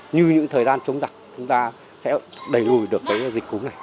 như những thời gian chống dịch chúng ta sẽ đẩy lùi được dịch cúng này